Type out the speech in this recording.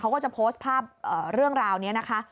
เขาก็จะโพสต์ภาพเรื่องราวนี้นะคะ